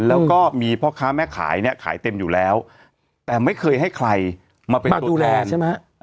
แล้วก็มีพ่อค้าแม่ขายเนี่ยขายเต็มอยู่แล้วแต่ไม่เคยให้ใครมาเป็นมาดูแลใช่ไหม